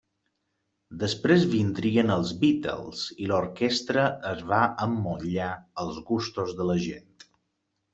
Després vindrien els Beatles, i l'orquestra es va emmotllar als gustos de la gent.